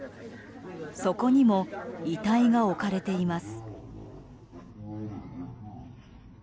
そこにも遺体が置かれています。